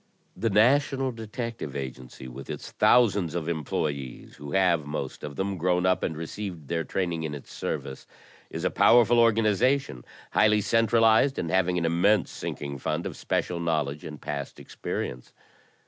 "The national detective agency with its thousands of employees who have, most of them, grown up and received their training in its service, is a powerful organization, highly centralized, and having an immense sinking fund of special knowledge and past experience.